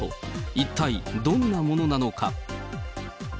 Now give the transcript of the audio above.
一体どんなものなのか。